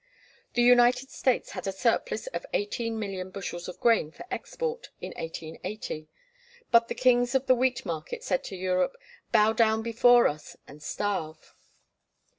The United States had a surplus of 18,000,000 bushels of grain for export, in 1880. But the kings of the wheat market said to Europe, "Bow down before us, and starve."